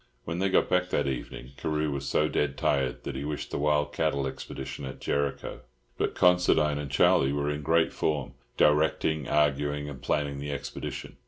When they got back that evening, Carew was so dead tired that he wished the wild cattle expedition at Jericho. But Considine and Charlie were in great form, directing, arguing, and planning the expedition.